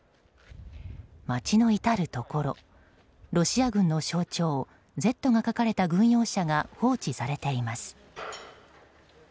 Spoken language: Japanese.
街の至るところロシア軍の象徴「Ｚ」が書かれた軍用車が放置されています。